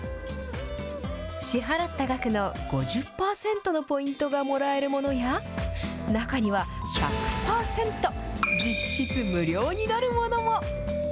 支払った額の５０％のポイントがもらえるものや、中には１００％、実質無料になるものも。